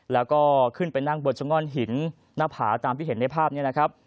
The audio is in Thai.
แล้วก็ขึ้นไปนั่งบนชะง่อนหินหน้าผาตามที่เห็นในภาพนี้นะครับ